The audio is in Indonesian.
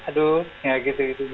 aduh ya gitu gitu